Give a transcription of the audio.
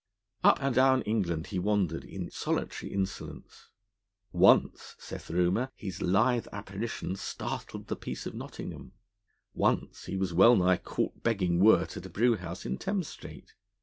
Up and down England he wandered in solitary insolence. Once, saith rumour, his lithe apparition startled the peace of Nottingham; once, he was wellnigh caught begging wort at a brew house in Thames Street.